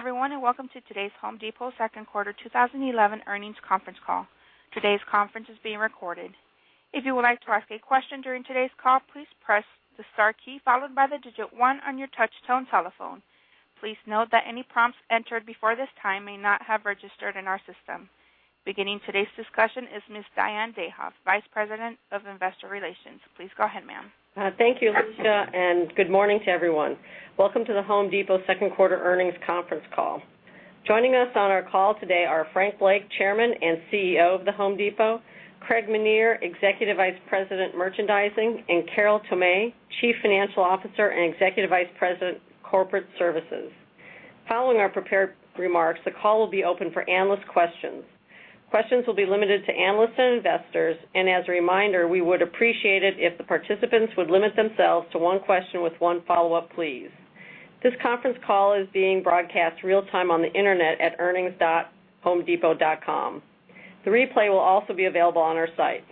Good day, everyone, and welcome to today's The Home Depot Second Quarter 2011 Earnings Conference Call. Today's conference is being recorded. If you would like to ask a question during today's call, please press the star key followed by the digit one on your touch-tone telephone. Please note that any prompts entered before this time may not have registered in our system. Beginning today's discussion is Ms. Diane Dayhoff, Vice President of Investor Relations. Please go ahead, ma'am. Thank you, Alicia, and good morning to everyone. Welcome to The Home Depot Second Quarter Earnings Conference Call. Joining us on our call today are Frank Blake, Chairman and CEO of The Home Depot; Craig Menear, Executive Vice President, Merchandising; and Carol Tomé, Chief Financial Officer and Executive Vice President, Corporate Services. Following our prepared remarks, the call will be open for analyst questions. Questions will be limited to analysts and investors, and as a reminder, we would appreciate it if the participants would limit themselves to one question with one follow-up, please. This conference call is being broadcast real-time on the Internet at earnings.homedepot.com. The replay will also be available on our site.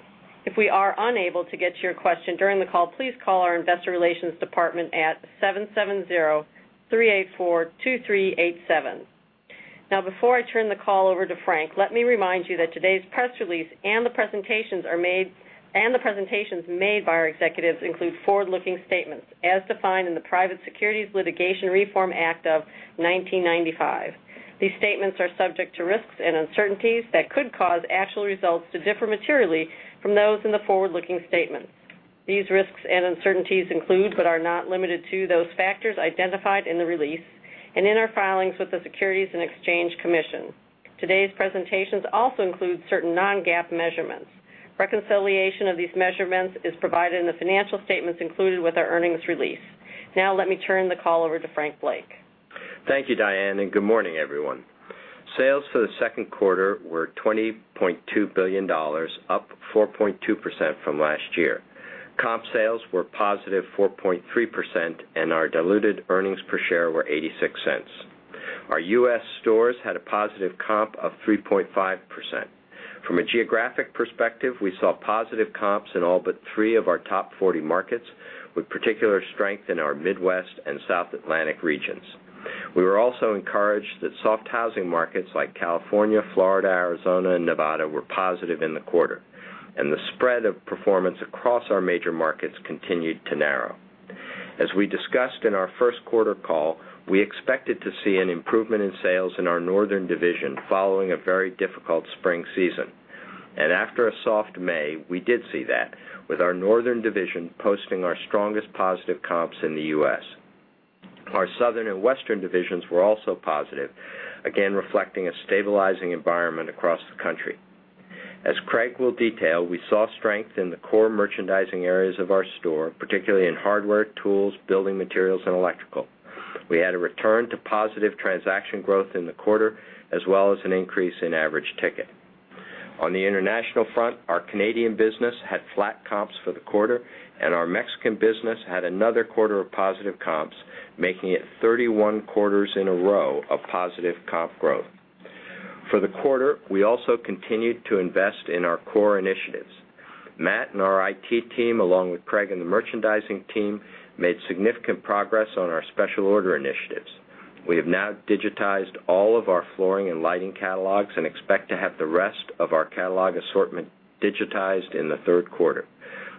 If we are unable to get to your question during the call, please call our Investor Relations Department at 770-384-2387. Now, before I turn the call over to Frank, let me remind you that today's press release and the presentations made by our executives include forward-looking statements, as defined in the Private Securities Litigation Reform Act of 1995. These statements are subject to risks and uncertainties that could cause actual results to differ materially from those in the forward-looking statement. These risks and uncertainties include, but are not limited to, those factors identified in the release and in our filings with the Securities and Exchange Commission. Today's presentations also include certain non-GAAP measurements. Reconciliation of these measurements is provided in the financial statements included with our earnings release. Now, let me turn the call over to Frank Blake. Thank you, Diane, and good morning, everyone. Sales for the second quarter were $20.2 billion, up 4.2% from last year. Comp sales were +4.3%, and our diluted earnings per share were $0.86. Our U.S. stores had a positive comp of 3.5%. From a geographic perspective, we saw positive comps in all but three of our top 40 markets, with particular strength in our Midwest and South Atlantic regions. We were also encouraged that soft housing markets like California, Florida, Arizona, and Nevada were positive in the quarter, and the spread of performance across our major markets continued to narrow. As we discussed in our First Quarter Call, we expected to see an improvement in sales in our Northern Division following a very difficult spring season. After a soft May, we did see that, with our Northern Division posting our strongest positive comps in the U.S. Our Southern and Western Divisions were also positive, again, reflecting a stabilizing environment across the country. As Craig will detail, we saw strength in the core merchandising areas of our store, particularly in hardware, tools, building materials, and electrical. We had a return to positive transaction growth in the quarter, as well as an increase in average ticket. On the international front, our Canadian business had flat comps for the quarter, and our Mexican business had another quarter of positive comps, making it 31 quarters in a row of positive comp growth. For the quarter, we also continued to invest in our core initiatives. Matt and our IT team, along with Craig and the merchandising team, made significant progress on our special order initiatives. We have now digitized all of our flooring and lighting catalogs and expect to have the rest of our catalog assortment digitized in the third quarter.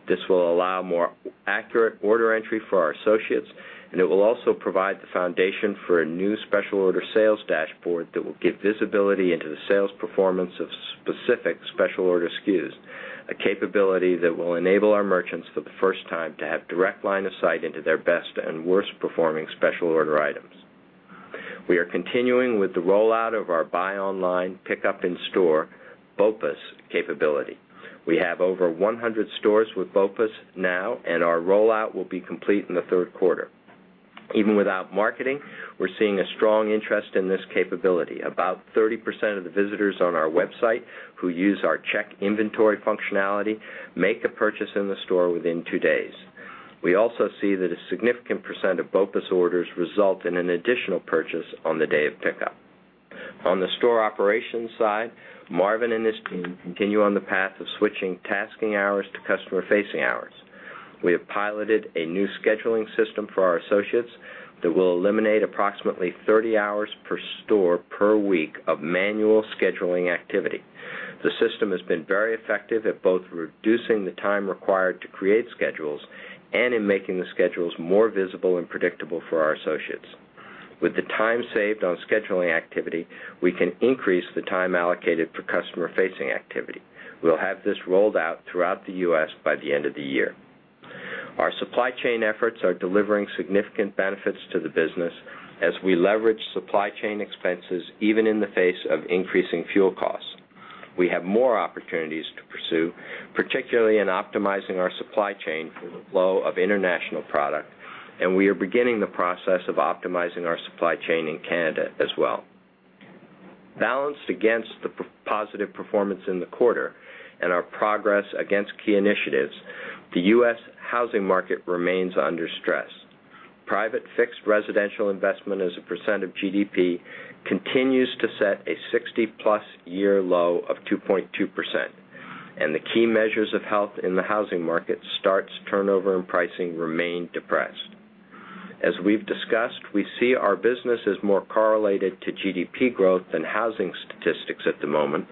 This will allow more accurate order entry for our associates, and it will also provide the foundation for a new special order sales dashboard that will give visibility into the sales performance of specific special order SKUs, a capability that will enable our merchants for the first time to have direct line of sight into their best and worst performing special order items. We're continuing with the rollout of our Buy Online, Pick Up In Store (BOPIS) capability. We have over 100 stores with BOPIS now, and our rollout will be complete in the third quarter. Even without marketing, we're seeing a strong interest in this capability. About 30% of the visitors on our website who use our check inventory functionality make a purchase in the store within two days. We also see that a significant percent of BOPIS orders result in an additional purchase on the day of pickup. On the store operations side, Marvin and his team continue on the path of switching tasking hours to customer-facing hours. We have piloted a new scheduling system for our associates that will eliminate approximately 30 hours per store per week of manual scheduling activity. The system has been very effective at both reducing the time required to create schedules and in making the schedules more visible and predictable for our associates. With the time saved on scheduling activity, we can increase the time allocated for customer-facing activity. We'll have this rolled out throughout the U.S. by the end of the year. Our supply chain efforts are delivering significant benefits to the business as we leverage supply chain expenses even in the face of increasing fuel costs. We have more opportunities to pursue, particularly in optimizing our supply chain for the flow of international product, and we are beginning the process of optimizing our supply chain in Canada as well. Balanced against the positive performance in the quarter and our progress against key initiatives, the U.S. housing market remains under stress. Private fixed residential investment as a percent of GDP continues to set a 60+ year low of 2.2%, and the key measures of health in the housing market, starts, turnover, and pricing remain depressed. As we've discussed, we see our business is more correlated to GDP growth than housing statistics at the moment,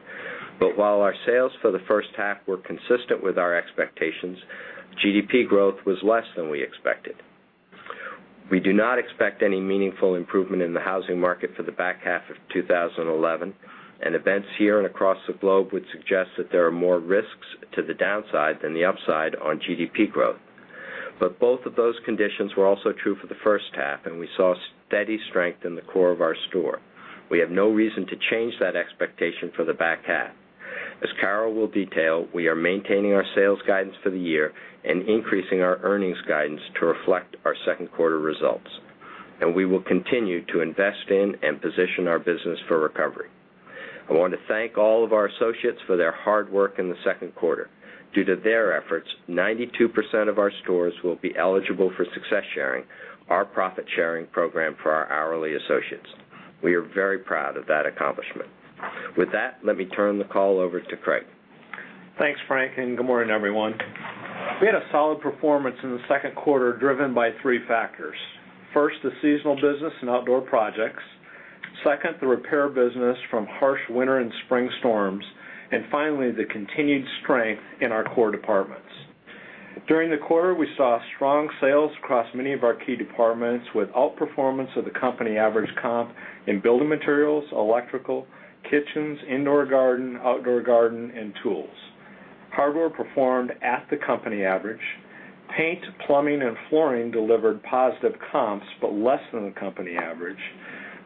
but while our sales for the first half were consistent with our expectations, GDP growth was less than we expected. We do not expect any meaningful improvement in the housing market for the back half of 2011, and events here and across the globe would suggest that there are more risks to the downside than the upside on GDP growth. Both of those conditions were also true for the first half, and we saw steady strength in the core of our store. We have no reason to change that expectation for the back half. As Carol will detail, we're maintaining our sales guidance for the year and increasing our earnings guidance to reflect our second quarter results, and we will continue to invest in and position our business for recovery. I want to thank all of our associates for their hard work in the second quarter. Due to their efforts, 92% of our stores will be eligible for Success Sharing, our profit-sharing program for our hourly associates. We are very proud of that accomplishment. With that, let me turn the call over to Craig. Thanks, Frank, and good morning, everyone. We had a solid performance in the second quarter driven by three factors. First, the seasonal business and outdoor projects. Second, the repair business from harsh winter and spring storms. Finally, the continued strength in our core departments. During the quarter, we saw strong sales across many of our key departments with outperformance of the company average comp in building materials, electrical, kitchens, indoor garden, outdoor garden, and tools. Hardware performed at the company average. Paint, plumbing, and flooring delivered positive comps but less than the company average.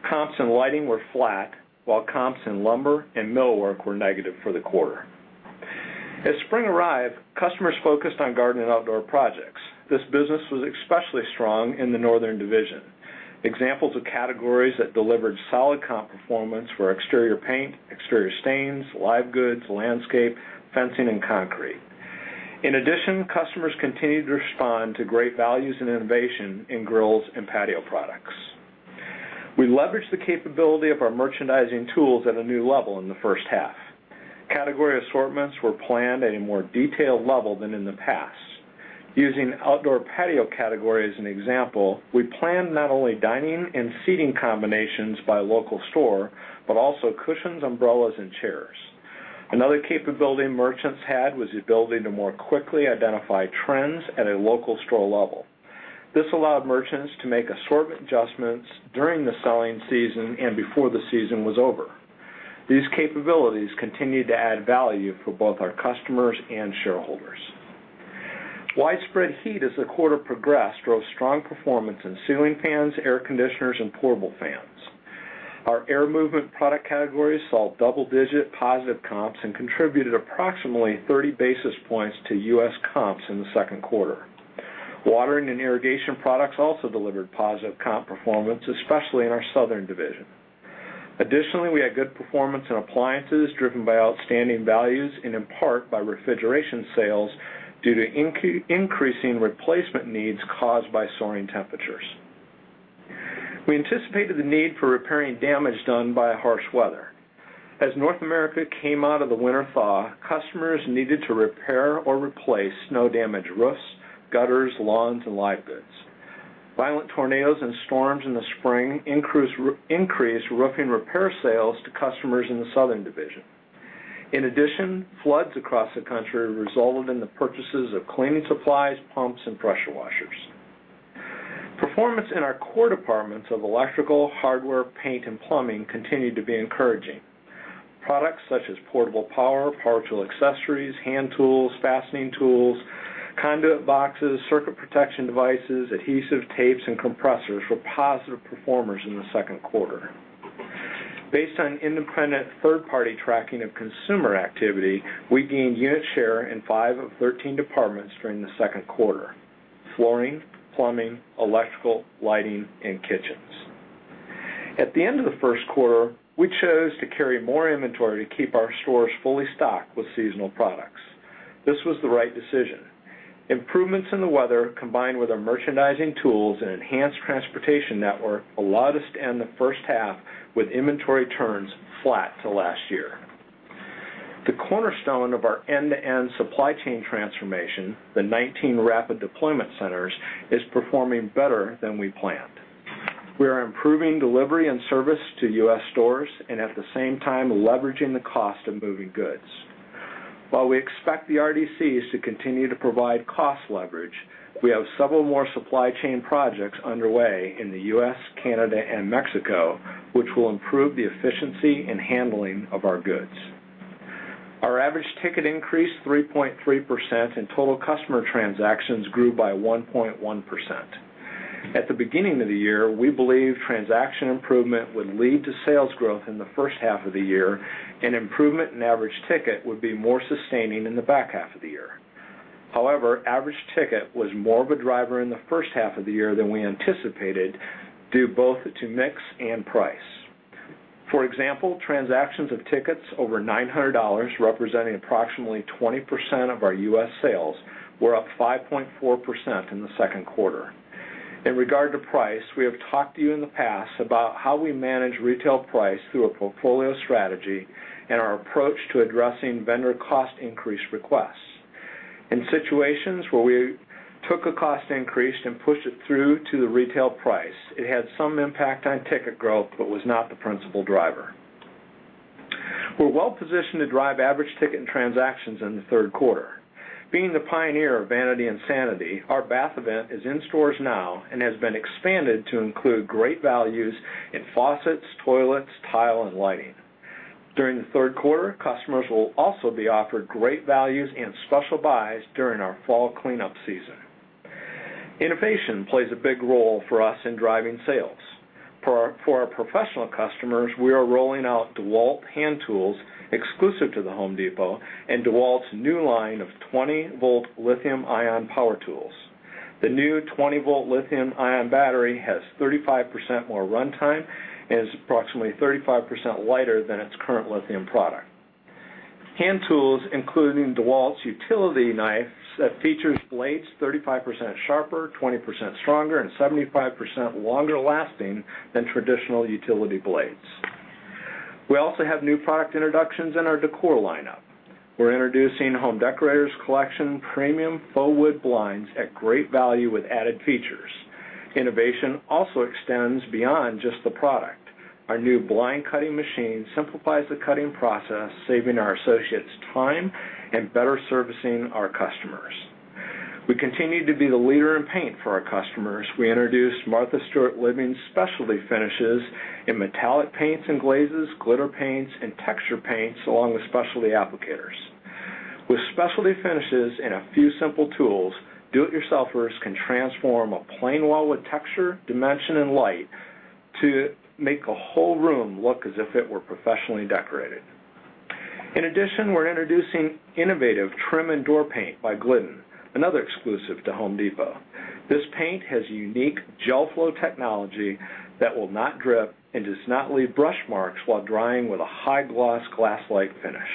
Comps in lighting were flat, while comps in lumber and millwork were negative for the quarter. As spring arrived, customers focused on garden and outdoor projects. This business was especially strong in the Northern Division. Examples of categories that delivered solid comp performance were exterior paint, exterior stains, live goods, landscape, fencing, and concrete. In addition, customers continued to respond to great values and innovation in grills and patio products. We leveraged the capability of our merchandising tools at a new level in the first half. Category assortments were planned at a more detailed level than in the past. Using outdoor patio category as an example, we planned not only dining and seating combinations by local store, but also cushions, umbrellas, and chairs. Another capability merchants had was the ability to more quickly identify trends at a local store level. This allowed merchants to make assortment adjustments during the selling season and before the season was over. These capabilities continued to add value for both our customers and shareholders. Widespread heat as the quarter progressed drove strong performance in ceiling fans, air conditioners, and portable fans. Our air movement product categories saw double-digit positive comps and contributed approximately 30 basis points to U.S. comps in the second quarter. Watering and irrigation products also delivered positive comp performance, especially in our Southern Division. Additionally, we had good performance in appliances driven by outstanding values and in part by refrigeration sales due to increasing replacement needs caused by soaring temperatures. We anticipated the need for repairing damage done by harsh weather. As North America came out of the winter thaw, customers needed to repair or replace snow-damaged roofs, gutters, lawns, and live goods. Violent tornadoes and storms in the spring increased roofing repair sales to customers in the Southern Division. In addition, floods across the country resulted in the purchases of cleaning supplies, pumps, and pressure washers. Performance in our core departments of electrical, hardware, paint, and plumbing continued to be encouraging. Products such as portable power, power tool accessories, hand tools, fastening tools, conduit boxes, circuit protection devices, adhesive tapes, and compressors were positive performers in the second quarter. Based on independent third-party tracking of consumer activity, we gained unit share in 5 of 13 departments during the second quarter: flooring, plumbing, electrical, lighting, and kitchens. At the end of the first quarter, we chose to carry more inventory to keep our stores fully stocked with seasonal products. This was the right decision. Improvements in the weather, combined with our merchandising tools and enhanced transportation network, allowed us to end the first half with inventory turns flat to last year. The cornerstone of our end-to-end supply chain transformation, the 19 rapid deployment centers, is performing better than we planned. We are improving delivery and service to U.S. stores and at the same time leveraging the cost of moving goods. While we expect the RDCs to continue to provide cost leverage, we have several more supply chain projects underway in the U.S., Canada, and Mexico, which will improve the efficiency and handling of our goods. Our average ticket increased 3.3% and total customer transactions grew by 1.1%. At the beginning of the year, we believed transaction improvement would lead to sales growth in the first half of the year, and improvement in average ticket would be more sustaining in the back half of the year. However, average ticket was more of a driver in the first half of the year than we anticipated, due both to mix and price. For example, transactions of tickets over $900, representing approximately 20% of our U.S. sales, were up 5.4% in the second quarter. In regard to price, we have talked to you in the past about how we manage retail price through a portfolio strategy and our approach to addressing vendor cost increase requests. In situations where we took a cost increase and pushed it through to the retail price, it had some impact on ticket growth but was not the principal driver. We're well-positioned to drive average ticket and transactions in the third quarter. Being the pioneer of vanity and sanity, our bath event is in stores now and has been expanded to include great values in faucets, toilets, tile, and lighting. During the third quarter, customers will also be offered great values and special buys during our fall cleanup season. Innovation plays a big role for us in driving sales. For our professional customers, we are rolling out DEWALT hand tools exclusive to The Home Depot and DEWALT's new line of 20-volt lithium-ion power tools. The new 20-volt lithium-ion battery has 35% more runtime and is approximately 35% lighter than its current lithium product. Hand tools include DeWalt's utility knife that features blades 35% sharper, 20% stronger, and 75% longer lasting than traditional utility blades. We also have new product introductions in our decor lineup. We're introducing Home Decorators Collection premium faux wood blinds at great value with added features. Innovation also extends beyond just the product. Our new blind cutting machine simplifies the cutting process, saving our associates time and better servicing our customers. We continue to be the leader in paint for our customers. We introduced Martha Stewart Living Specialty Finishes in metallic paints and glazes, glitter paints, and texture paints along with specialty applicators. With specialty finishes and a few simple tools, do-it-yourselfers can transform a plain wall with texture, dimension, and light to make the whole room look as if it were professionally decorated. In addition, we're introducing innovative trim and door paint by Glidden, another exclusive to The Home Depot. This paint has unique gel flow technology that will not drip and does not leave brush marks while drying with a high-gloss glass-like finish.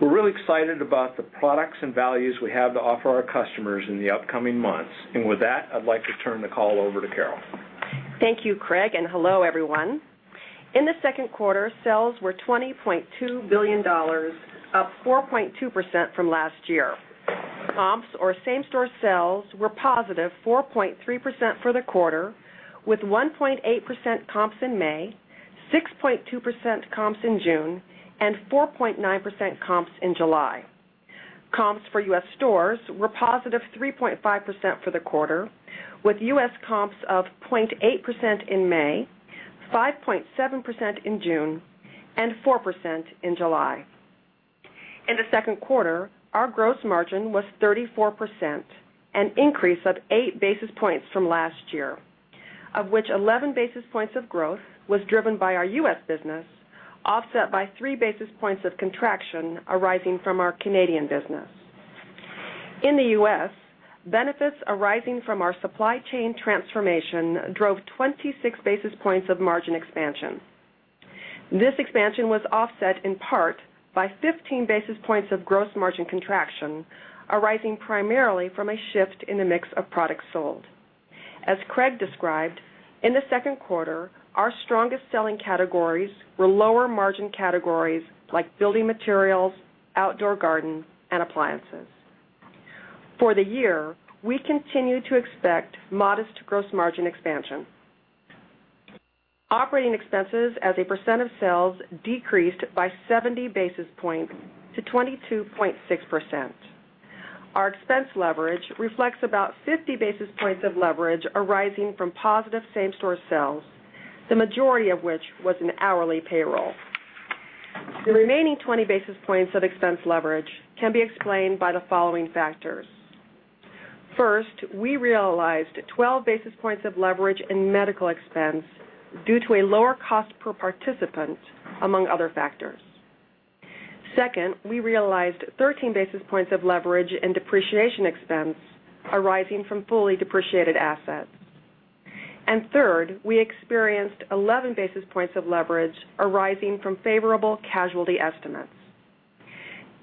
We're really excited about the products and values we have to offer our customers in the upcoming months, and with that, I'd like to turn the call over to Carol. Thank you, Craig, and hello, everyone. In the second quarter, sales were $20.2 billion, up 4.2% from last year. Comps, or same-store sales, were +4.3% for the quarter, with 1.8% comps in May, 6.2% comps in June, and 4.9% comps in July. Comps for U.S. stores were positive 3.5% for the quarter, with U.S. comps of 0.8% in May, 5.7% in June, and 4% in July. In the second quarter, our gross margin was 34%, an increase of 8 basis points from last year, of which 11 basis points of growth was driven by our U.S. business, offset by 3 basis points of contraction arising from our Canadian business. In the U.S., benefits arising from our supply chain transformation drove 26 basis points of margin expansion. This expansion was offset in part by 15 basis points of gross margin contraction arising primarily from a shift in the mix of products sold. As Craig described, in the second quarter, our strongest selling categories were lower margin categories like building materials, outdoor garden, and appliances. For the year, we continue to expect modest gross margin expansion. Operating expenses, as a percent of sales, decreased by 70 basis points to 22.6%. Our expense leverage reflects about 50 basis points of leverage arising from positive same-store sales, the majority of which was in hourly payroll. The remaining 20 basis points of expense leverage can be explained by the following factors. First, we realized 12 basis points of leverage in medical expense due to a lower cost per participant, among other factors. Second, we realized 13 basis points of leverage in depreciation expense arising from fully depreciated assets. Third, we experienced 11 basis points of leverage arising from favorable casualty estimates.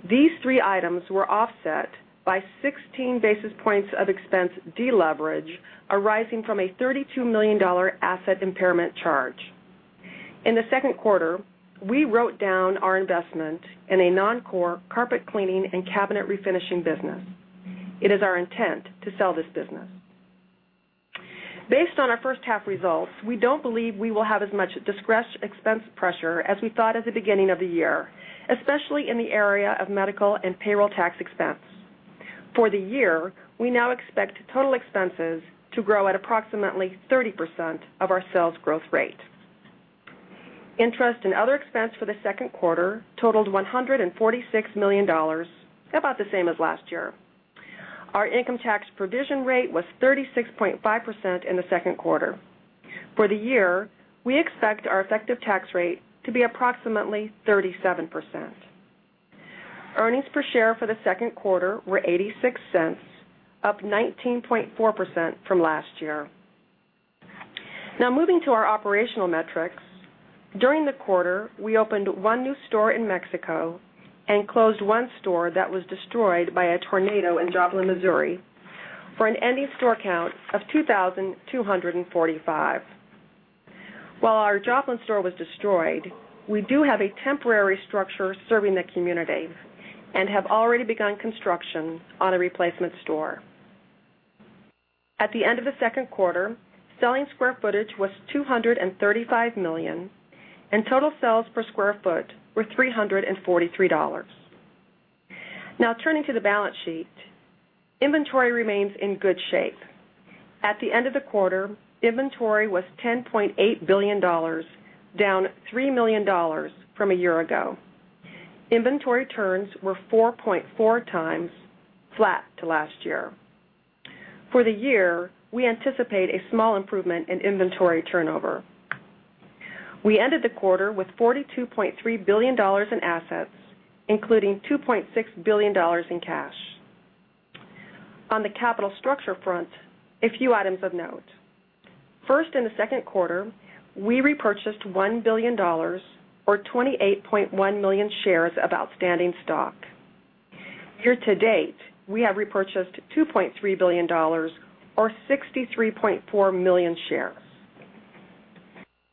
These three items were offset by 16 basis points of expense deleverage arising from a $32 million asset impairment charge. In the second quarter, we wrote down our investment in a non-core carpet cleaning and cabinet refinishing business. It is our intent to sell this business. Based on our first-half results, we don't believe we will have as much discretionary expense pressure as we thought at the beginning of the year, especially in the area of medical and payroll tax expense. For the year, we now expect total expenses to grow at approximately 30% of our sales growth rate. Interest and other expense for the second quarter totaled $146 million, about the same as last year. Our income tax provision rate was 36.5% in the second quarter. For the year, we expect our effective tax rate to be approximately 37%. Earnings per share for the second quarter were $0.86, up 19.4% from last year. Now, moving to our operational metrics, during the quarter, we opened one new store in Mexico and closed one store that was destroyed by a tornado in Joplin, Missouri, for an ending store count of 2,245. While our Joplin store was destroyed, we do have a temporary structure serving the community and have already begun construction on a replacement store. At the end of the second quarter, selling square footage was $235 million, and total sales per square foot were $343. Now, turning to the balance sheet, inventory remains in good shape. At the end of the quarter, inventory was $10.8 billion, down $3 million from a year ago. Inventory turns were 4.4 times, flat to last year. For the year, we anticipate a small improvement in inventory turnover. We ended the quarter with $42.3 billion in assets, including $2.6 billion in cash. On the capital structure front, a few items of note. First, in the second quarter, we repurchased $1 billion, or 28.1 million shares of outstanding stock. Year-to-date, we have repurchased $2.3 billion, or 63.4 million shares.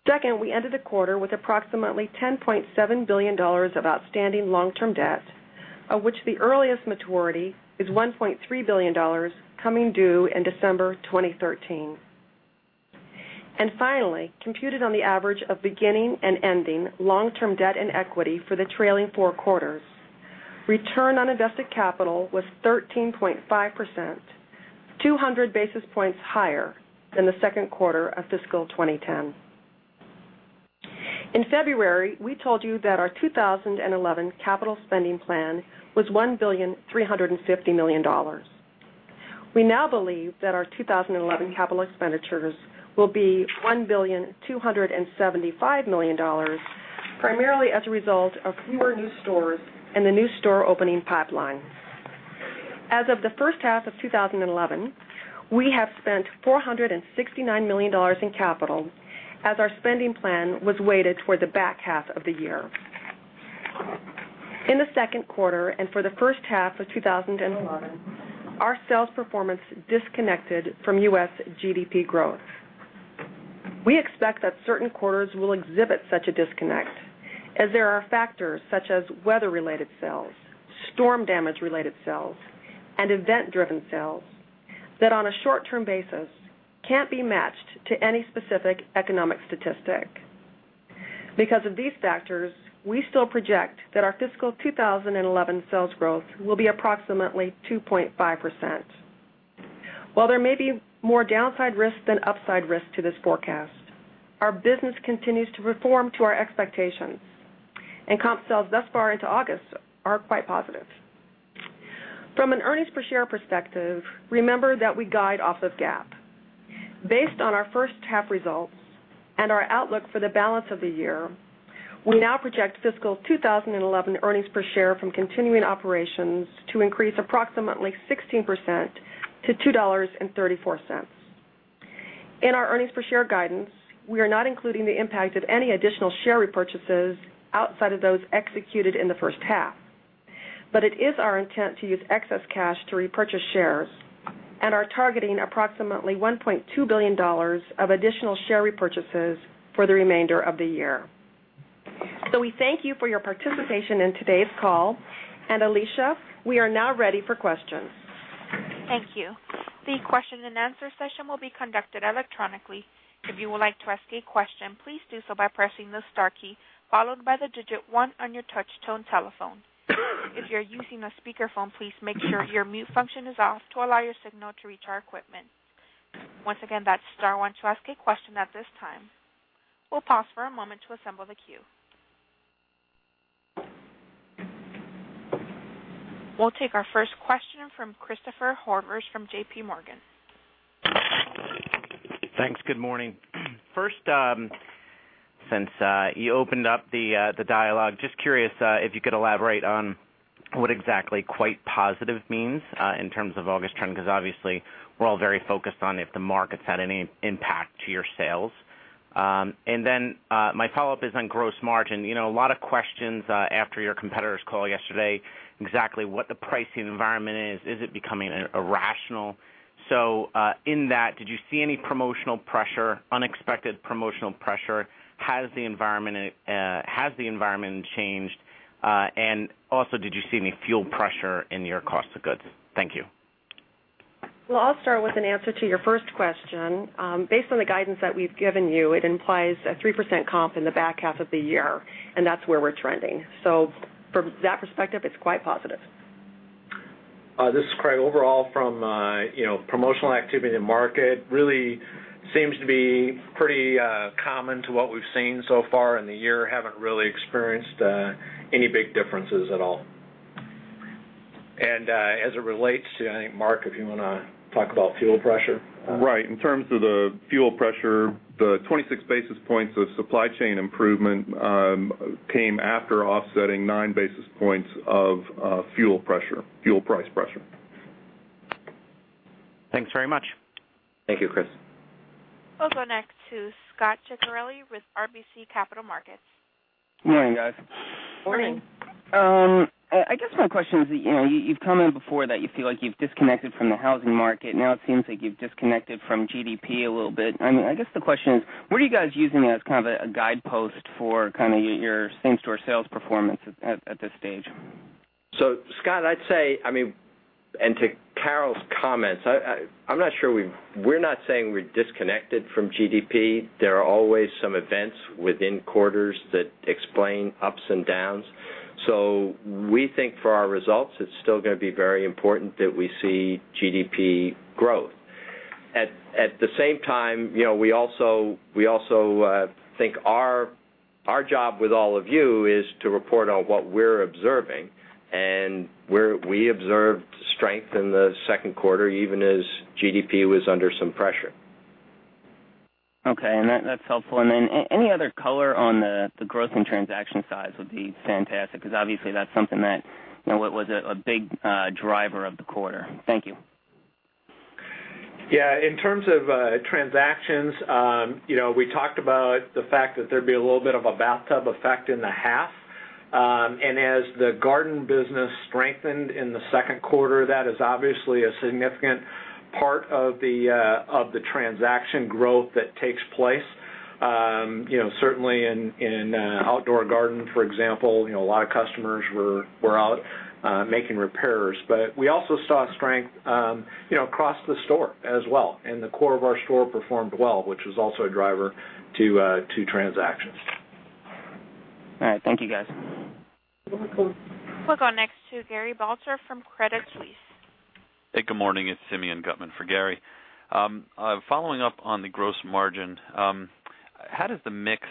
Second, we ended the quarter with approximately $10.7 billion of outstanding long-term debt, of which the earliest maturity is $1.3 billion, coming due in December 2013. Finally, computed on the average of beginning and ending long-term debt and equity for the trailing four quarters, return on invested capital was 13.5%, 200 basis points higher than the second quarter of fiscal 2010. In February, we told you that our 2011 capital spending plan was $1.35 billion. We now believe that our 2011 capital expenditures will be $1.275 billion, primarily as a result of fewer new stores and the new store opening pipeline. As of the first half of 2011, we have spent $469 million in capital, as our spending plan was weighted for the back half of the year. In the second quarter and for the first half of 2011, our sales performance disconnected from U.S. GDP growth. We expect that certain quarters will exhibit such a disconnect, as there are factors such as weather-related sales, storm damage-related sales, and event-driven sales that on a short-term basis can't be matched to any specific economic statistic. Because of these factors, we still project that our fiscal 2011 sales growth will be approximately 2.5%. While there may be more downside risk than upside risk to this forecast, our business continues to perform to our expectations, and comp sales thus far into August are quite positive. From an Earnings per share perspective, remember that we guide off of GAAP. Based on our first half results and our outlook for the balance of the year, we now project Fiscal 2011 Earnings per share from continuing operations to increase approximately 16% to $2.34. In our earnings per share guidance, we are not including the impact of any additional share repurchases outside of those executed in the first half, but it is our intent to use excess cash to repurchase shares, and we're targeting approximately $1.2 billion of additional share repurchases for the remainder of the year. We thank you for your participation in today's call, and Alicia, we are now ready for questions. Thank you. The question and answer session will be conducted electronically. If you would like to ask a question, please do so by pressing the star key followed by the digit one on your touch-tone telephone. If you're using a speakerphone, please make sure your mute function is off to allow your signal to reach our equipment. Once again, that's star one to ask a question at this time. We'll pause for a moment to assemble the queue. We'll take our first question from Christopher Horvers from JPMorgan. Thanks, good morning. First, since you opened up the dialogue, just curious if you could elaborate on what exactly "quite positive" means in terms of August trend, because obviously we're all very focused on if the market's had any impact to your sales. My follow-up is on gross margin. You know, a lot of questions after your competitors' call yesterday, exactly what the pricing environment is, is it becoming irrational? In that, did you see any promotional pressure, unexpected promotional pressure? Has the environment changed? Also, did you see any fuel pressure in your cost of goods? Thank you. I'll start with an answer to your first question. Based on the guidance that we've given you, it implies a 3% comp in the back half of the year, and that's where we're trending. From that perspective, it's quite positive. This is Craig overall from promotional activity in the market. It really seems to be pretty common to what we've seen so far in the year. Haven't really experienced any big differences at all. As it relates to, I think, Marvin, if you want to talk about fuel pressure. Right, in terms of the fuel pressure, the 26 basis points of supply chain improvement came after offsetting 9 basis points of fuel pressure, fuel price pressure. Thanks very much. Thank you, Chris. We'll go next to Scot Ciccarelli with RBC Capital Markets. Good morning, guys. Morning! I guess my question is, you've commented before that you feel like you've disconnected from the housing market. Now it seems like you've disconnected from GDP a little bit. I mean, I guess the question is, what are you guys using as kind of a guidepost for kind of your same-store sales performance at this stage? Scott, I'd say, I mean, to Carol's comments, I'm not sure we're, we're not saying we're disconnected from GDP. There are always some events within quarters that explain ups and downs. We think for our results, it's still going to be very important that we see GDP growth. At the same time, you know, we also think our job with all of you is to report on what we're observing, and we observed strength in the second quarter, even as GDP was under some pressure. Okay, that's helpful. Any other color on the growth in transaction size would be fantastic, because obviously that's something that was a big driver of the quarter. Thank you. Yeah, in terms of transactions, we talked about the fact that there'd be a little bit of a bathtub effect in the half. As the garden business strengthened in the second quarter, that is obviously a significant part of the transaction growth that takes place. Certainly in outdoor garden, for example, a lot of customers were out making repairs, but we also saw strength across the store as well, and the core of our store performed well, which was also a driver to transactions. All right, thank you, guys. We'll go next to Gary Balter from Credit Suisse. Hey, good morning, it's Simeon for Gary. Following up on the gross margin, how does the mix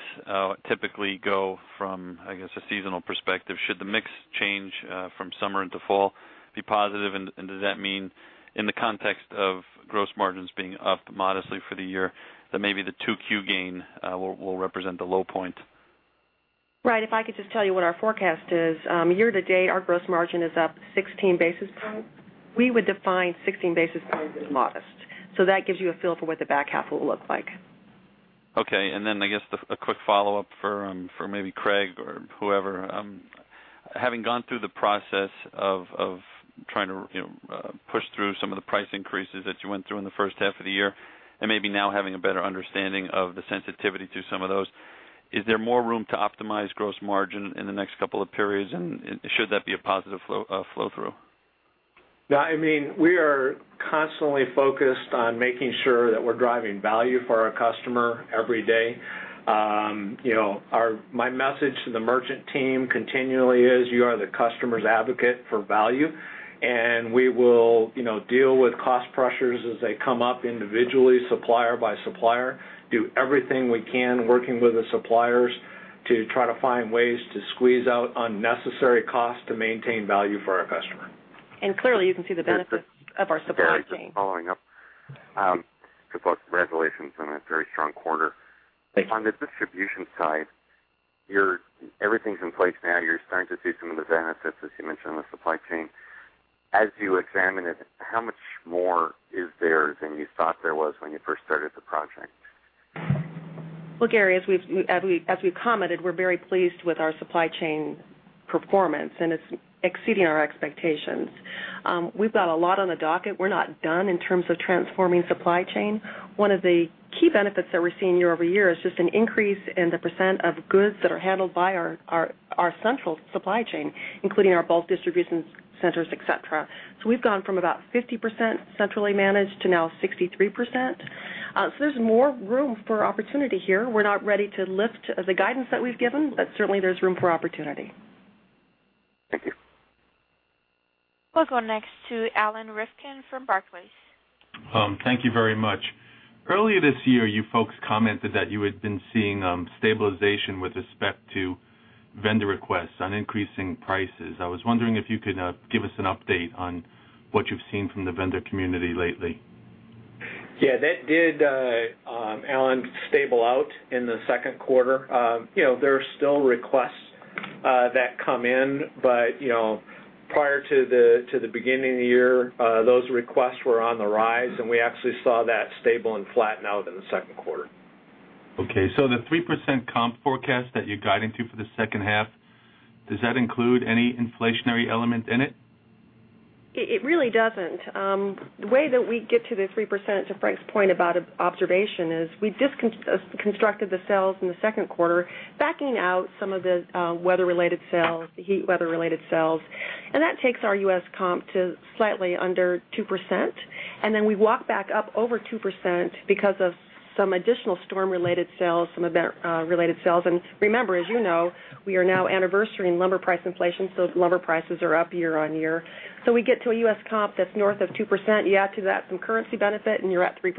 typically go from, I guess, a seasonal perspective? Should the mix change from summer into fall be positive, and does that mean, in the context of gross margins being up modestly for the year, that maybe the 2Q gain will represent the low point? Right, if I could just tell you what our forecast is, year-to-date, our gross margin is up 16 basis points. We would define 16 basis points as modest. That gives you a feel for what the back half will look like. Okay, and then I guess a quick follow-up for maybe Craig or whoever, having gone through the process of trying to push through some of the price increases that you went through in the first half of the year, and maybe now having a better understanding of the sensitivity to some of those, is there more room to optimize gross margin in the next couple of periods, and should that be a positive flow-through? Yeah, I mean, we are constantly focused on making sure that we're driving value for our customer every day. My message to the merchant team continually is you are the customer's advocate for value, and we will deal with cost pressures as they come up individually, supplier by supplier, do everything we can, working with the suppliers to try to find ways to squeeze out unnecessary costs to maintain value for our customer. Clearly, you can see the benefits of our supply chain. This is Gary. Sorry, just following up. To both resolutions on a very strong quarter. On the distribution side, everything's in place now. You're starting to see some of the benefits, as you mentioned, in the supply chain. As you examine it, how much more is there than you thought there was when you first started the project? Gary, as we've commented, we're very pleased with our supply chain performance, and it's exceeding our expectations. We've got a lot on the docket. We're not done in terms of transforming supply chain. One of the key benefits that we're seeing year-over-year is just an increase in the percent of goods that are handled by our central supply chain, including our bulk distribution centers, etc. We've gone from about 50% centrally managed to now 63%. There's more room for opportunity here. We're not ready to lift the guidance that we've given, but certainly there's room for opportunity. Thank you. We'll go next to Alan Rifkin from Barclays. Thank you very much. Earlier this year, you folks commented that you had been seeing stabilization with respect to vendor requests on increasing prices. I was wondering if you could give us an update on what you've seen from the vendor community lately. Yeah, that did stabilize out in the second quarter. You know, there are still requests that come in, but prior to the beginning of the year, those requests were on the rise, and we actually saw that stabilize and flatten out in the second quarter. Okay, does the 3% comp forecast that you're guiding to for the second half include any inflationary element in it? It really doesn't. The way that we get to the 3%, to Frank's point about observation, is we just constructed the sales in the second quarter, backing out some of the weather-related sales, the heat weather-related sales, and that takes our U.S. comp to slightly under 2%. We walk back up over 2% because of some additional storm-related sales, some event-related sales. Remember, as you know, we are now anniversary in lumber price inflation, so lumber prices are up year-on-year. We get to a U.S. comp that's north of 2%, you add to that some currency benefit, and you're at 3%.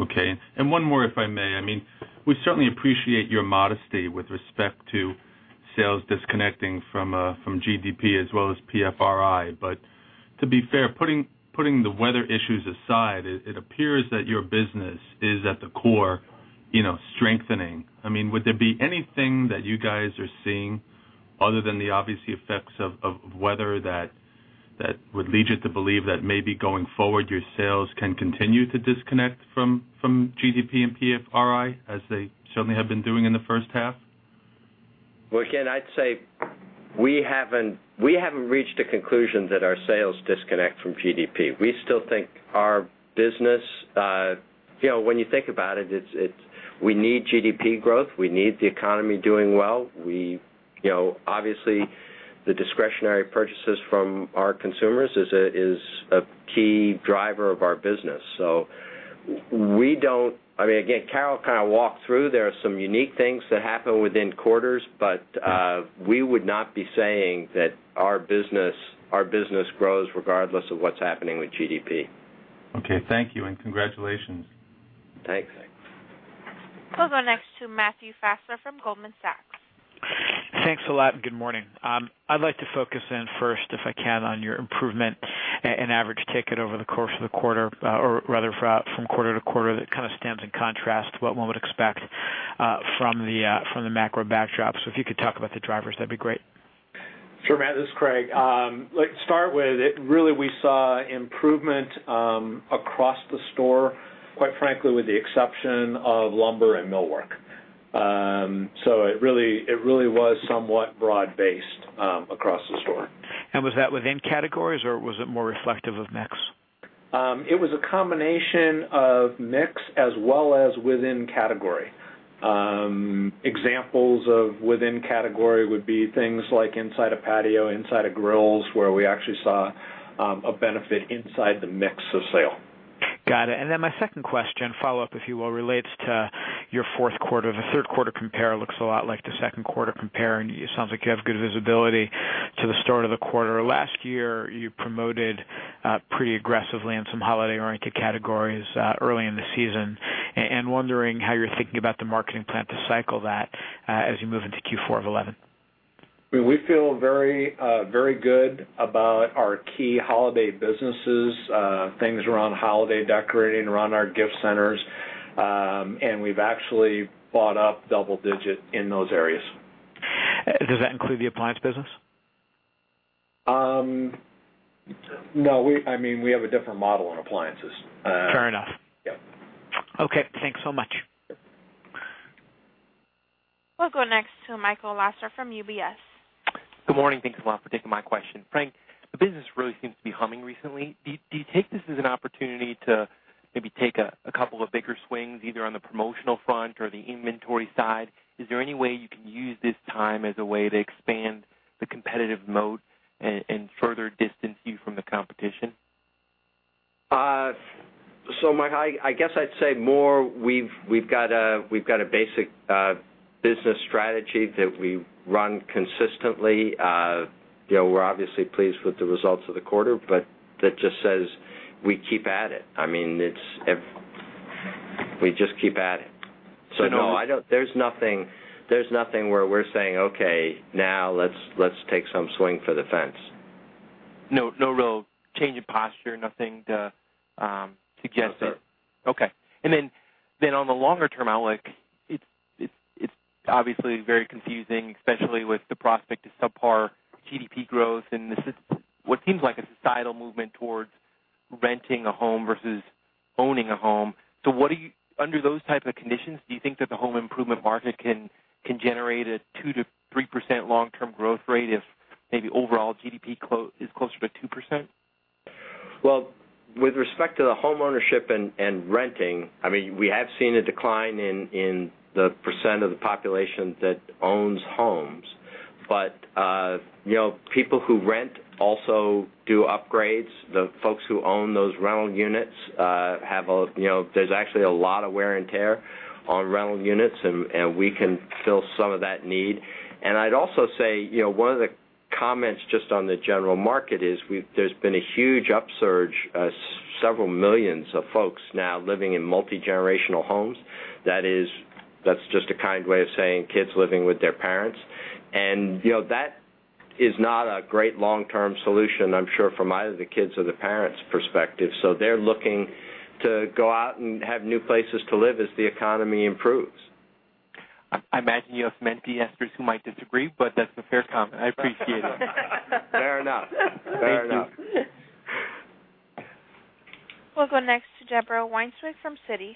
Okay, and one more if I may. I mean, we certainly appreciate your modesty with respect to sales disconnecting from GDP as well as PFRI, but to be fair, putting the weather issues aside, it appears that your business is at the core, you know, strengthening. Would there be anything that you guys are seeing other than the obvious effects of weather that would lead you to believe that maybe going forward your sales can continue to disconnect from GDP and PFRI as they certainly have been doing in the first half? I'd say we haven't reached the conclusions that our sales disconnect from GDP. We still think our business, you know, when you think about it, we need GDP growth, we need the economy doing well. Obviously the discretionary purchases from our consumers is a key driver of our business. We don't, I mean, again, Carol kind of walked through, there are some unique things that happen within quarters, but we would not be saying that our business grows regardless of what's happening with GDP. Okay, thank you and congratulations. Thanks. We'll go next to Matthew Fassler from Goldman Sachs. Thanks a lot and good morning. I'd like to focus in first, if I can, on your improvement in average ticket over the course of the quarter, or rather from quarter to quarter. That kind of stands in contrast to what one would expect from the macro backdrop. If you could talk about the drivers, that'd be great. Sure, Matt, this is Craig. Let's start with it. Really, we saw improvement across the store, quite frankly, with the exception of lumber and millwork. It really was somewhat broad-based across the store. Was that within categories, or was it more reflective of mix? It was a combination of mix as well as within category. Examples of within category would be things like inside a patio, inside of grills, where we actually saw a benefit inside the mix of sale. Got it. My second question, follow-up if you will, relates to your fourth quarter. The third quarter compare looks a lot like the second quarter compare, and it sounds like you have good visibility to the start of the quarter. Last year, you promoted pretty aggressively in some holiday-oriented categories early in the season, and wondering how you're thinking about the marketing plan to cycle that as you move into Q4 of 2011. We feel very good about our key holiday businesses, things around holiday decorating, around our gift centers, and we've actually bought up double-digit in those areas. Does that include the appliance business? No, I mean we have a different model in appliances. Fair enough. Yep. Okay, thanks so much. We'll go next to Michael Lasser from UBS. Good morning, thanks a lot for taking my question. Frank, the business really seems to be humming recently. Do you take this as an opportunity to maybe take a couple of bigger swings, either on the promotional front or the inventory side? Is there any way you can use this time as a way to expand the competitive moat and further distance you from the competition? Mike, I guess I'd say more we've got a basic business strategy that we run consistently. You know, we're obviously pleased with the results of the quarter, but that just says we keep at it. I mean, we just keep at it. There's nothing where we're saying, okay, now let's take some swing for the fence. No real change in posture, nothing to suggest that. That's it. Okay. On the longer-term outlook, it's obviously very confusing, especially with the prospect of subpar GDP growth and what seems like a societal movement towards renting a home versus owning a home. Under those types of conditions, do you think that the home improvement market can generate a 2%-3% long-term growth rate if maybe overall GDP is closer to 2%? With respect to homeownership and renting, we have seen a decline in the percent of the population that owns homes, but people who rent also do upgrades. The folks who own those rental units have, you know, there's actually a lot of wear and tear on rental units, and we can fill some of that need. I'd also say, one of the comments just on the general market is there's been a huge upsurge, several millions of folks now living in multigenerational homes. That is, that's just a kind way of saying kids living with their parents. You know, that is not a great long-term solution, I'm sure, from either the kids' or the parents' perspective. They're looking to go out and have new places to live as the economy improves. I imagine you have many investors who might disagree, but that's a fair comment. I appreciate it. Fair enough. Thank you. We'll go next to Deborah Weinswig from Citi.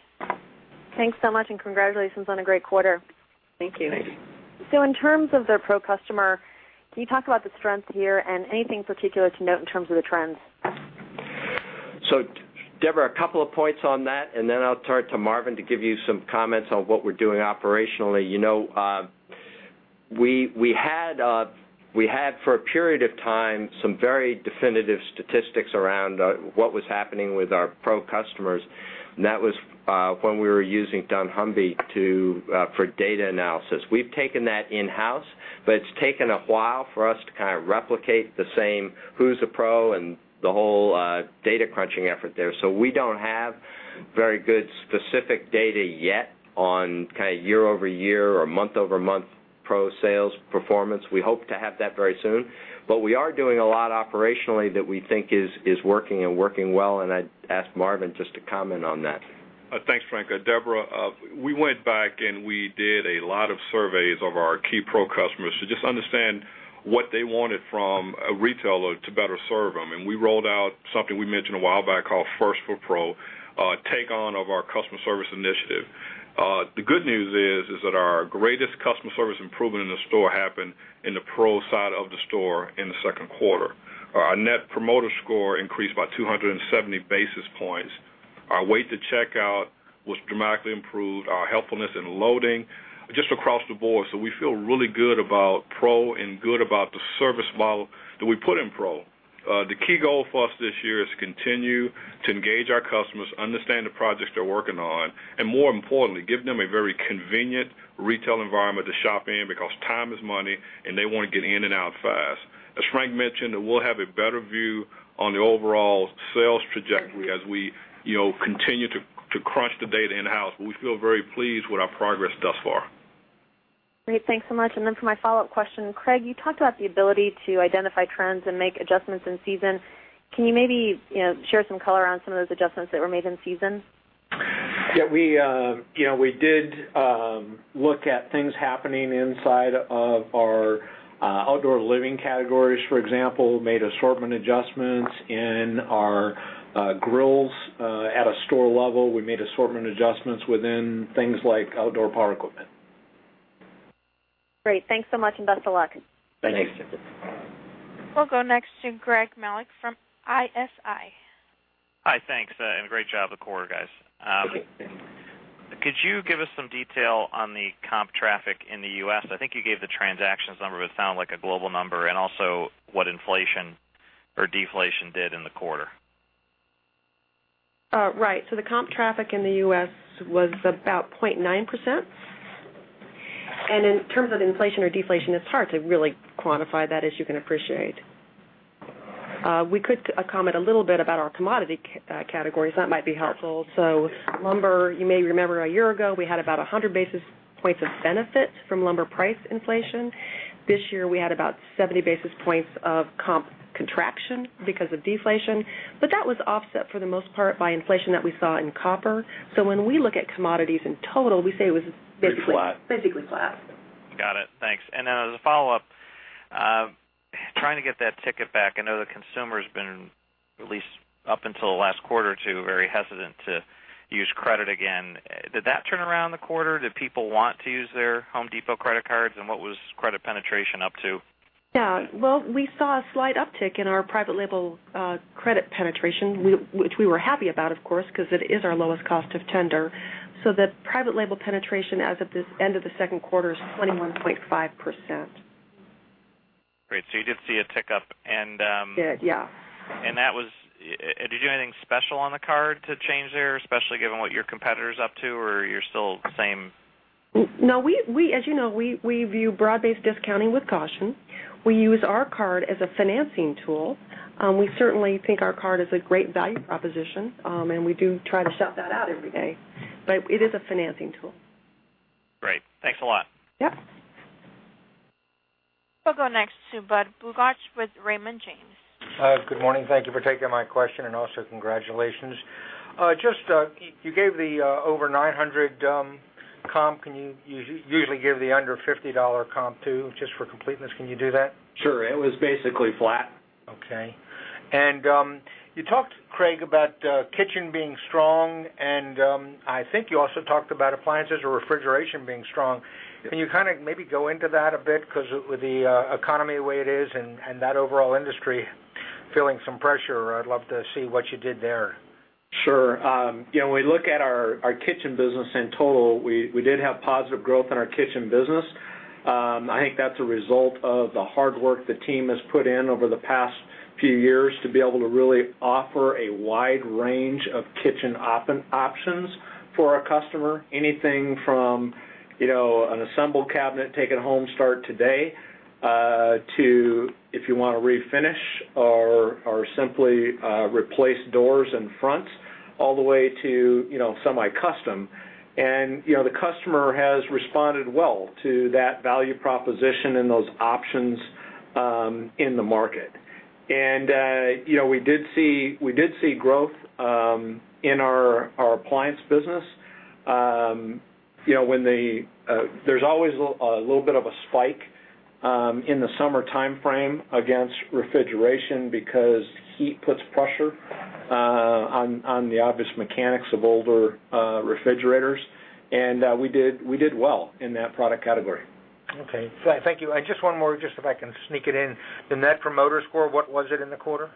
Thanks so much and congratulations on a great quarter. Thank you. In terms of the pro-customer, can you talk about the strength here and anything particular to note in terms of the trends? Deborah, a couple of points on that, and then I'll turn it to Marvin to give you some comments on what we're doing operationally. We had for a period of time some very definitive statistics around what was happening with our professional customers, and that was when we were using Dunnhumby for data analysis. We've taken that in-house, but it's taken a while for us to replicate the same who's a pro and the whole data crunching effort there. We don't have very good specific data yet on year-over-year or month-over-month pro-sales performance. We hope to have that very soon, but we are doing a lot operationally that we think is working and working well, and I'd ask Marvin just to comment on that. Thanks, Frank. Deborah, we went back and we did a lot of surveys of our key pro customers to just understand what they wanted from a retailer to better serve them, and we rolled out something we mentioned a while back called First for Pro, a take-on of our customer service initiative. The good news is that our greatest customer service improvement in the store happened in the pro side of the store in the second quarter. Our net promoter score increased by 270 basis points. Our wait to checkout was dramatically improved. Our helpfulness in loading, just across the board. We feel really good about pro and good about the service model that we put in pro. The key goal for us this year is to continue to engage our customers, understand the projects they're working on, and more importantly, give them a very convenient retail environment to shop in because time is money and they want to get in and out fast. As Frank mentioned, we'll have a better view on the overall sales trajectory as we continue to crunch the data in-house, but we feel very pleased with our progress thus far. Great, thanks so much. For my follow-up question, Craig, you talked about the ability to identify trends and make adjustments in season. Can you maybe share some color on some of those adjustments that were made in season? Yeah, we did look at things happening inside of our outdoor living categories, for example, made assortment adjustments in our grills at a store level. We made assortment adjustments within things like outdoor power equipment. Great, thanks so much and best of luck. Thanks. We'll go next to Greg Melich from ISI. Hi, thanks, and great job of the quarter, guys. Could you give us some detail on the comp traffic in the U.S.? I think you gave the transactions number, but it sounded like a global number, and also what inflation or deflation did in the quarter. Right, so the comp traffic in the U.S. was about 0.9%. In terms of inflation or deflation, it's hard to really quantify that, as you can appreciate. We could comment a little bit about our commodity categories; that might be helpful. Lumber, you may remember a year ago we had about 100 basis points of benefit from lumber price inflation. This year we had about 70 basis points of comp contraction because of deflation, but that was offset for the most part by inflation that we saw in copper. When we look at commodities in total, we say it was basically flat. Got it, thanks. As a follow-up, trying to get that ticket back, I know the consumer's been, at least up until the last quarter or two, very hesitant to use credit again. Did that turn around the quarter? Did people want to use their Home Depot credit cards, and what was credit penetration up to? Yeah, we saw a slight uptick in our private label credit penetration, which we were happy about, of course, because it is our lowest cost of tender. The private label penetration as of the end of the second quarter is 21.5%. Great, you did see a tick up. Did, yeah. Did you do anything special on the card to change there, especially given what your competitor's up to, or you're still the same? No, we, as you know, we view broad-based discounting with caution. We use our card as a financing tool. We certainly think our card is a great value proposition, and we do try to shout that out every day, but it is a financing tool. Great, thanks a lot. Yep. We'll go next to Budd Bugatch with Raymond James. Good morning, thank you for taking my question and also congratulations. You gave the over $900 comp, can you usually give the under $50 comp too, just for completeness, can you do that? Sure, it was basically flat. Okay, and you talked, Craig, about kitchen being strong, and I think you also talked about appliances or refrigeration being strong. Can you kind of maybe go into that a bit, because with the economy the way it is and that overall industry feeling some pressure, I'd love to see what you did there. Sure, you know, when we look at our kitchen business in total, we did have positive growth in our kitchen business. I think that's a result of the hard work the team has put in over the past few years to be able to really offer a wide range of kitchen options for a customer, anything from, you know, an assembled cabinet taken home start today to if you want to refinish or simply replace doors and fronts, all the way to, you know, semi-custom. The customer has responded well to that value proposition and those options in the market. We did see growth in our appliance business. There's always a little bit of a spike in the summer timeframe against refrigeration because heat puts pressure on the obvious mechanics of older refrigerators, and we did well in that product category. Okay, thank you. Just one more, if I can sneak it in, the net promoter score, what was it in the quarter?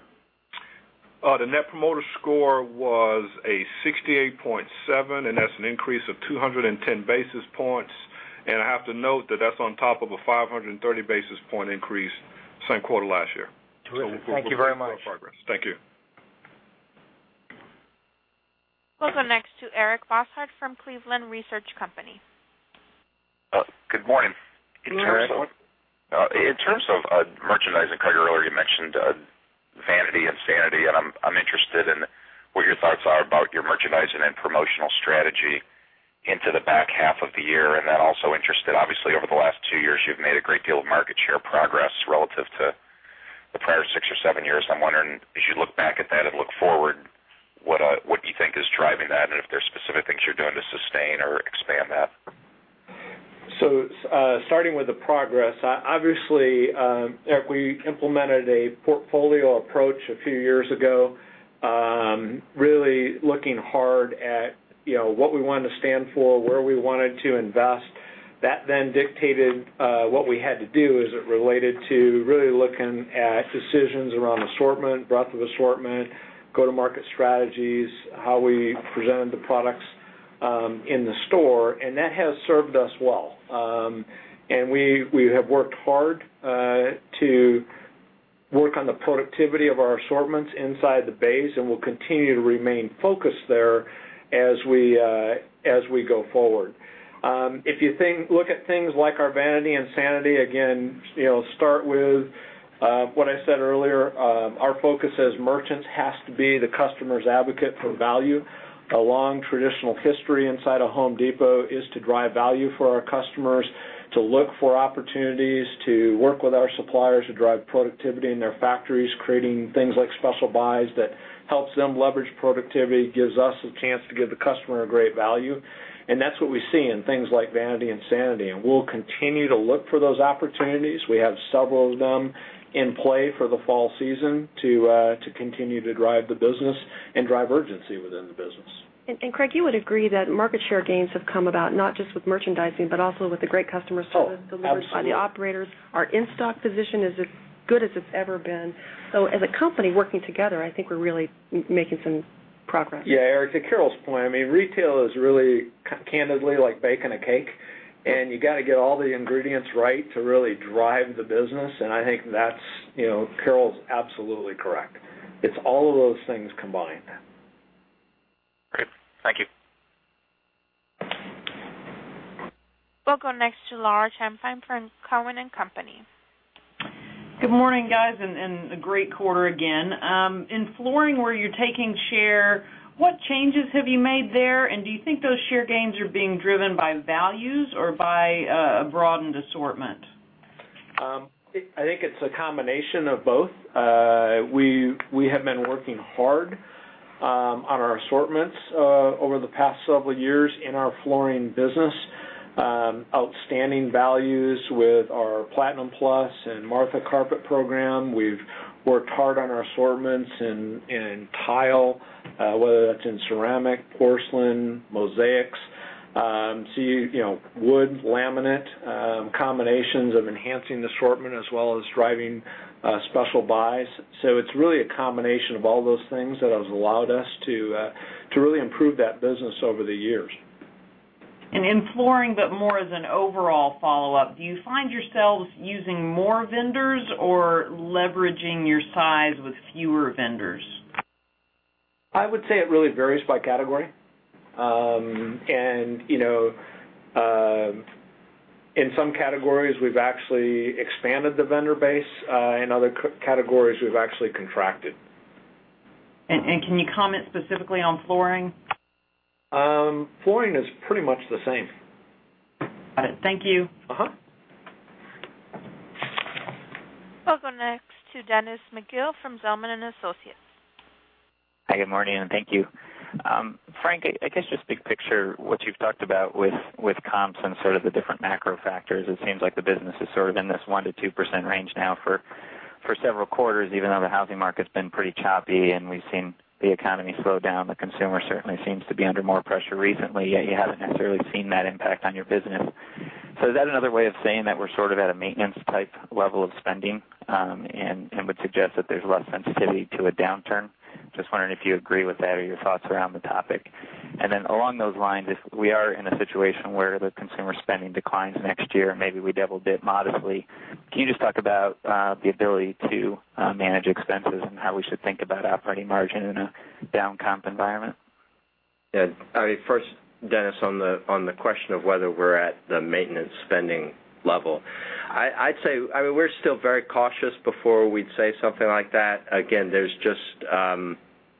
The net promoter score was a 68.7, and that's an increase of 210 basis points. I have to note that that's on top of a 530 basis point increase same quarter last year. Great, thank you very much. Thank you. We'll go next to Eric Bosshard from Cleveland Research Company. Good morning. In terms of merchandising, Craig, earlier you mentioned vanity and sanity, and I'm interested in what your thoughts are about your merchandising and promotional strategy into the back half of the year. I'm also interested, obviously, over the last two years, you've made a great deal of market share progress relative to the prior six or seven years. I'm wondering, as you look back at that and look forward, what you think is driving that, and if there's specific things you're doing to sustain or expand that. Starting with the progress, obviously, Eric, we implemented a portfolio approach a few years ago, really looking hard at what we wanted to stand for, where we wanted to invest. That then dictated what we had to do as it related to really looking at decisions around assortment, breadth of assortment, go-to-market strategies, how we presented the products in the store, and that has served us well. We have worked hard to work on the productivity of our assortments inside the base, and we'll continue to remain focused there as we go forward. If you look at things like our vanity and sanity, again, start with what I said earlier, our focus as merchants has to be the customer's advocate for value. A long traditional history inside The Home Depot is to drive value for our customers, to look for opportunities to work with our suppliers to drive productivity in their factories, creating things like special buys that help them leverage productivity, gives us a chance to give the customer a great value, and that's what we see in things like vanity and sanity, and we'll continue to look for those opportunities. We have several of them in play for the fall season to continue to drive the business and drive urgency within the business. Craig, you would agree that market share gains have come about not just with merchandising, but also with the great customer service delivered by the operators. Our in-stock position is as good as it's ever been. As a company working together, I think we're really making some progress. Yeah, Eric, to Carol's point, retail is really candidly like baking a cake, and you got to get all the ingredients right to really drive the business. I think that's, you know, Carol's absolutely correct. It's all of those things combined. Great, thank you. Will go next to Laura Champine from Cowen & Company. Good morning, guys, and a great quarter again. In flooring where you're taking share, what changes have you made there, and do you think those share gains are being driven by values or by a broadened assortment? I think it's a combination of both. We have been working hard on our assortments over the past several years in our flooring business. Outstanding values with our Platinum Plus and Martha Carpet program. We've worked hard on our assortments in tile, whether that's in ceramic, porcelain, mosaics, wood, laminate, combinations of enhancing the assortment as well as driving special buys. It's really a combination of all those things that has allowed us to really improve that business over the years. In flooring, as an overall follow-up, do you find yourselves using more vendors or leveraging your size with fewer vendors? I would say it really varies by category, and you know, in some categories we've actually expanded the vendor base. In other categories we've actually contracted. Can you comment specifically on flooring? Flooring is pretty much the same. Got it, thank you. We'll go next to Dennis McGill from Zelman & Associates. Hi, good morning, and thank you. Frank, I guess just big picture, what you've talked about with comps and sort of the different macro factors, it seems like the business is sort of in this 1% -2% range now for several quarters, even though the housing market's been pretty choppy and we've seen the economy slow down. The consumer certainly seems to be under more pressure recently, yet you haven't necessarily seen that impact on your business. Is that another way of saying that we're sort of at a maintenance type level of spending and would suggest that there's less sensitivity to a downturn? Just wondering if you agree with that or your thoughts around the topic. Along those lines, if we are in a situation where the consumer spending declines next year and maybe we double-dip modestly, can you just talk about the ability to manage expenses and how we should think about operating margin in a down comp environment? Yeah, I mean, first, Dennis, on the question of whether we're at the maintenance spending level, I'd say we're still very cautious before we'd say something like that. Again,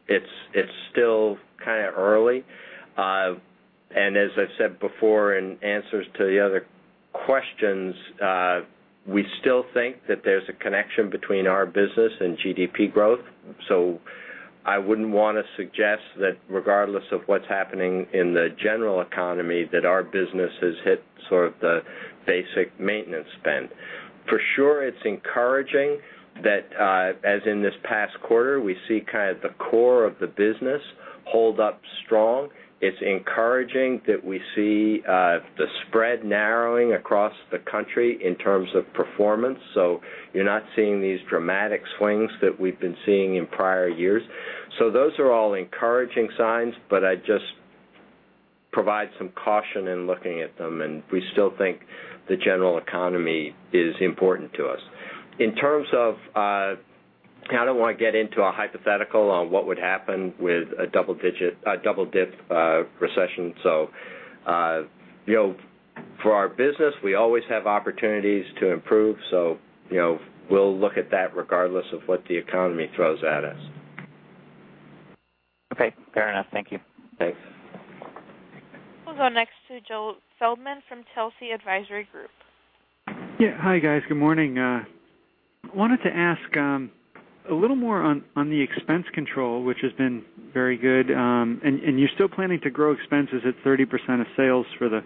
it's still kind of early, and as I've said before in answers to the other questions, we still think that there's a connection between our business and GDP growth. I wouldn't want to suggest that regardless of what's happening in the general economy, our business has hit sort of the basic maintenance spend. For sure, it's encouraging that, as in this past quarter, we see kind of the core of the business hold up strong. It's encouraging that we see the spread narrowing across the country in terms of performance, so you're not seeing these dramatic swings that we've been seeing in prior years. Those are all encouraging signs, but I'd just provide some caution in looking at them, and we still think the general economy is important to us. In terms of, now I don't want to get into a hypothetical on what would happen with a double-dip recession, for our business, we always have opportunities to improve, so we'll look at that regardless of what the economy throws at us. Okay, fair enough, thank you. Thanks. will go next to Joe Feldman from Telsey Advisory Group. Yeah, hi guys, good morning. I wanted to ask a little more on the expense control, which has been very good, and you're still planning to grow expenses at 30% of sales for the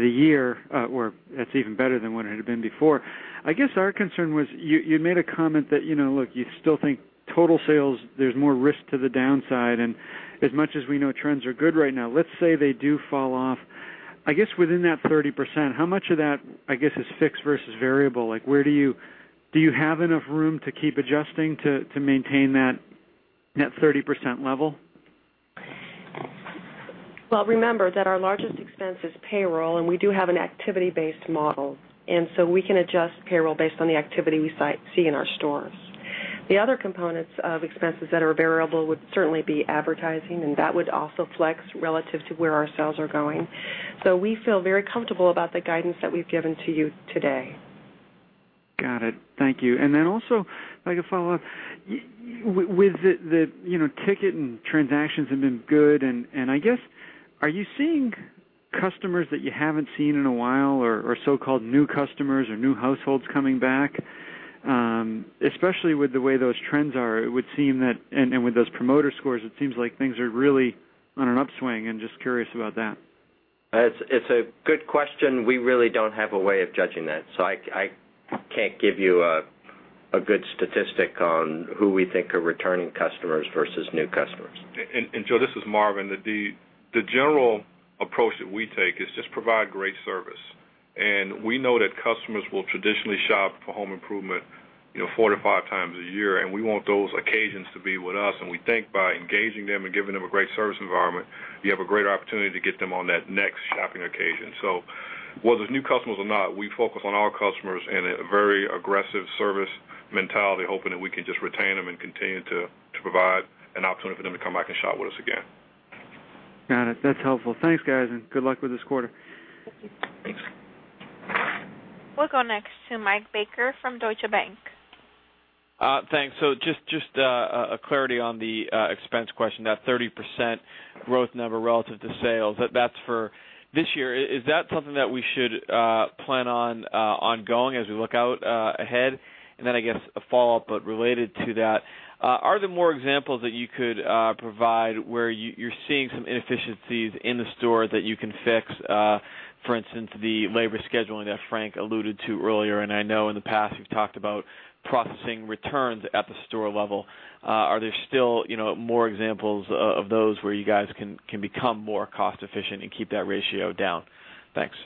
year, or that's even better than what it had been before. I guess our concern was, you had made a comment that, you know, look, you still think total sales, there's more risk to the downside, and as much as we know trends are good right now, let's say they do fall off. I guess within that 30%, how much of that, I guess, is fixed versus variable? Like, where do you, do you have enough room to keep adjusting to maintain that 30% level? Our largest expense is payroll, and we do have an activity-based model, and we can adjust payroll based on the activity we see in our stores. The other components of expenses that are variable would certainly be advertising, and that would also flex relative to where our sales are going. We feel very comfortable about the guidance that we've given to you today. Got it, thank you. If I could follow up, with the ticket and transactions have been good, are you seeing customers that you haven't seen in a while, or so-called new customers or new households coming back? Especially with the way those trends are, it would seem that, and with those promoter scores, it seems like things are really on an upswing. I'm just curious about that. It's a good question. We really don't have a way of judging that, so I can't give you a good statistic on who we think are returning customers versus new customers. Joe, this is Marvin. The general approach that we take is just provide great service, and we know that customers will traditionally shop for home improvement, you know, four to five times a year, and we want those occasions to be with us. We think by engaging them and giving them a great service environment, you have a greater opportunity to get them on that next shopping occasion. Whether it's new customers or not, we focus on our customers in a very aggressive service mentality, hoping that we can just retain them and continue to provide an opportunity for them to come back and shop with us again. Got it, that's helpful. Thanks, guys, and good luck with this quarter. Thanks. We'll go next to Mike Baker from Deutsche Bank. Thanks, just a clarity on the expense question, that 30% growth number relative to sales, that's for this year. Is that something that we should plan on ongoing as we look out ahead? I guess a follow-up, but related to that, are there more examples that you could provide where you're seeing some inefficiencies in the store that you can fix? For instance, the labor scheduling that Frank alluded to earlier, and I know in the past you've talked about processing returns at the store level. Are there still more examples of those where you guys can become more cost-efficient and keep that ratio down? Thanks.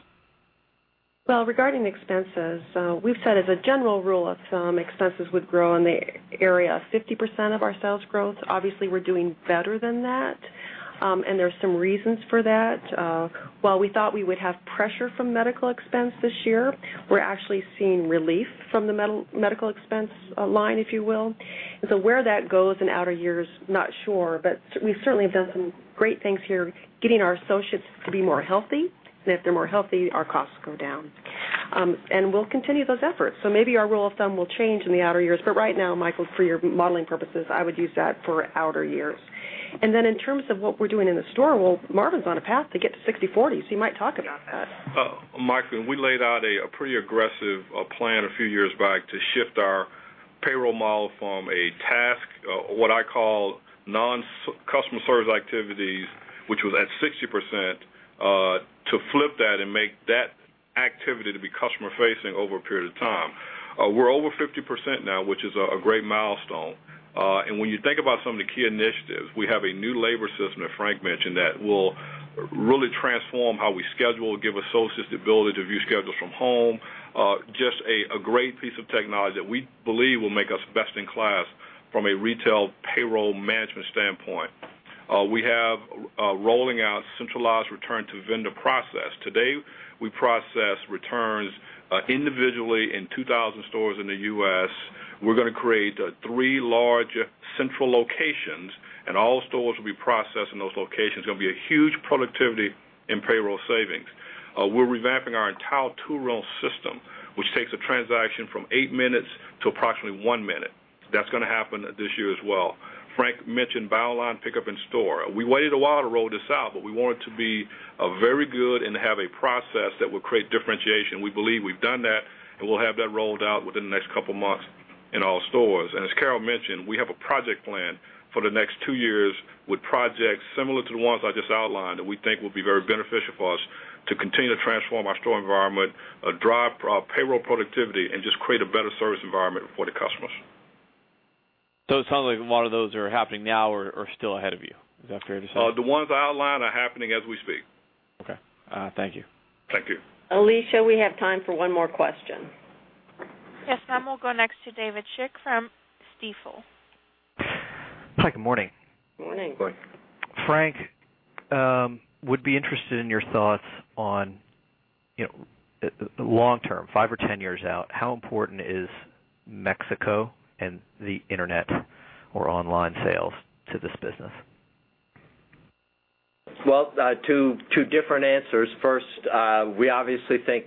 Regarding expenses, we've said as a general rule of thumb, expenses would grow in the area of 50% of our sales growth. Obviously, we're doing better than that, and there's some reasons for that. While we thought we would have pressure from medical expense this year, we're actually seeing relief from the medical expense line, if you will. Where that goes in outer years, not sure, but we've certainly done some great things here getting our associates to be more healthy, and if they're more healthy, our costs go down. We'll continue those efforts, so maybe our rule of thumb will change in the outer years, but right now, Michael, for your modeling purposes, I would use that for outer years. In terms of what we're doing in the store, Marvin's on a path to get to 60/40, so you might talk about that. Mike, we laid out a pretty aggressive plan a few years back to shift our payroll model from a task, what I call non-customer service activities, which was at 60%, to flip that and make that activity to be customer-facing over a period of time. We're over 50% now, which is a great milestone, and when you think about some of the key initiatives, we have a new labor system that Frank mentioned that will really transform how we schedule, give associates the ability to view schedules from home, just a great piece of technology that we believe will make us best in class from a retail payroll management standpoint. We have rolling out centralized return-to-vendor process. Today, we process returns individually in 2,000 stores in the U.S. We're going to create three large central locations, and all stores will be processed in those locations. It's going to be a huge productivity and payroll savings. We're revamping our entire two-row system, which takes a transaction from eight minutes to approximately one minute. That's going to happen this year as well. Frank mentioned buy online, pick up in store. We waited a while to roll this out, but we want it to be very good and have a process that will create differentiation. We believe we've done that, and we'll have that rolled out within the next couple of months in all stores. As Carol mentioned, we have a project plan for the next two years with projects similar to the ones I just outlined that we think will be very beneficial for us to continue to transform our store environment, drive payroll productivity, and just create a better service environment for the customers. It sounds like a lot of those are happening now or are still ahead of you. Is that fair to say? The ones I outlined are happening as we speak. Okay, thank you. Thank you. Alicia, we have time for one more question. Yes, I will go next to David Schick from Stifel. Hi, good morning. Morning. Good morning. Frank, would be interested in your thoughts on, you know, long term, five or ten years out, how important is Mexico and the internet or online sales to this business? Two different answers. First, we obviously think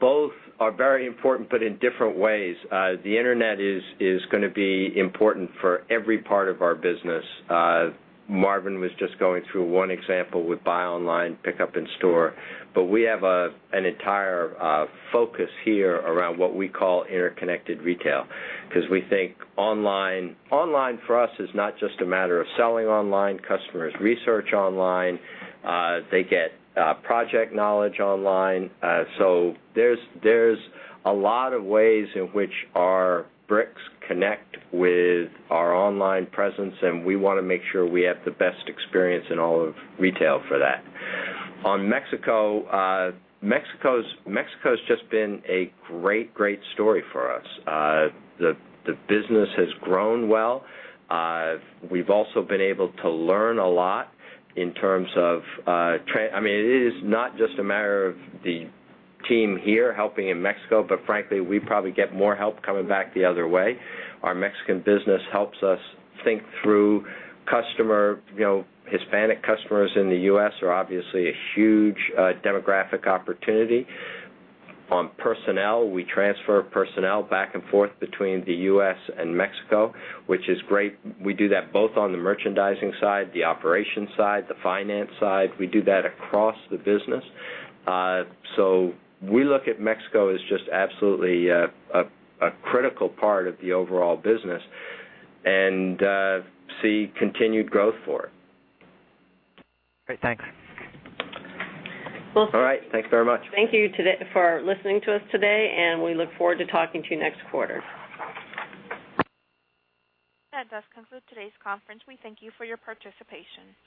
both are very important, but in different ways. The internet is going to be important for every part of our business. Marvin was just going through one example with Buy Online, Pick Up In Store, but we have an entire focus here around what we call interconnected retail, because we think online, online for us is not just a matter of selling online. Customers research online. They get project knowledge online. There are a lot of ways in which our bricks connect with our online presence, and we want to make sure we have the best experience in all of retail for that. On Mexico, Mexico's just been a great, great story for us. The business has grown well. We've also been able to learn a lot in terms of, I mean, it is not just a matter of the team here helping in Mexico, but frankly, we probably get more help coming back the other way. Our Mexican business helps us think through customer, you know, Hispanic customers in the U.S. are obviously a huge demographic opportunity. On personnel, we transfer personnel back and forth between the U.S. and Mexico, which is great. We do that both on the merchandising side, the operations side, the finance side. We do that across the business. We look at Mexico as just absolutely a critical part of the overall business and see continued growth for it. Great, thanks. All right, thanks very much. Thank you for listening to us today, and we look forward to talking to you next quarter. That does conclude today's conference. We thank you for your participation.